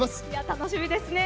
楽しみですね。